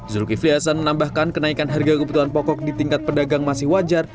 zulkifli hasan menambahkan kenaikan harga kebutuhan pokok di tingkat pedagang masih wajar